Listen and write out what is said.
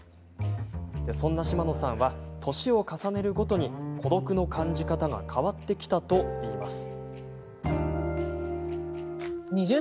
そんな嶋野さんは年を重ねるごとに孤独の感じ方が変わってきたといいます。